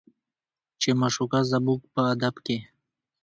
چې معشوقه زموږ په ادب کې